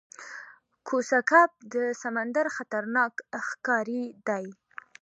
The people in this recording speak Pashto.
کوسه کب د سمندر خطرناک ښکاری دی